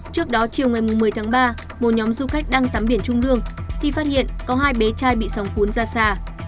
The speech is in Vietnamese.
trước đó chiều ngày một mươi tháng ba một nhóm du khách đang tắm biển trung lương thì phát hiện có hai bé trai bị sóng cuốn ra xa